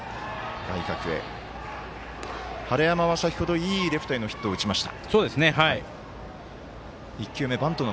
晴山は先ほど、レフトへいいヒットを打ちました。